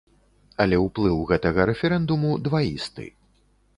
Але ўплыў гэтага рэферэндуму дваісты.